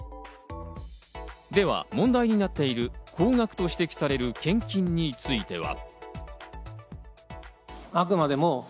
では問題になっている高額と指摘される献金については。